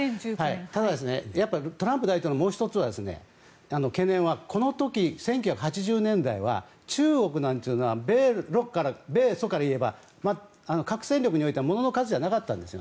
ただ、トランプ大統領のもう１つの懸念はこの時、１９８０年代は中国は米ソからいえば核戦力において物の数じゃなかったんです。